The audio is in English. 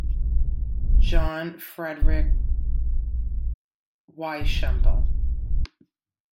John Frederick Weishampel.